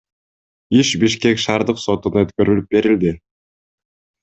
Иш Бишкек шаардык сотуна өткөрүлүп берилди.